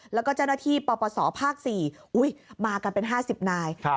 แล้วก็เจ้าหน้าที่ปปศภาค๔มากันเป็น๕๐นาย